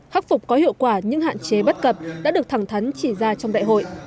khắc phục có hiệu quả những hạn chế bất cập đã được thẳng thắn chỉ ra trong đại hội